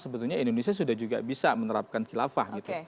sebetulnya indonesia sudah juga bisa menerapkan khilafah gitu